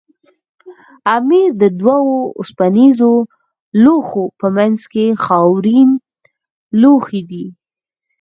امیر د دوو اوسپنیزو لوښو په منځ کې خاورین لوښی دی.